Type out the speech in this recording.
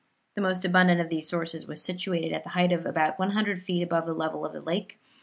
The most abundant of those sources was situated at the height of about 100 feet above the level of the lake.